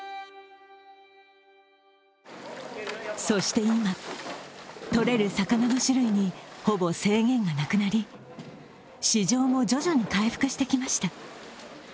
そして今、取れる魚の種類にほぼ制限がなくなり、市場も徐々に回復してきました。